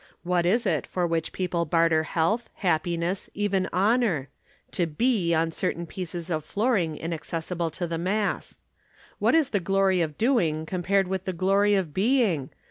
What is it for which people barter health, happiness, even honor? To be on certain pieces of flooring inaccessible to the mass. What is the glory of doing compared with the glory of being?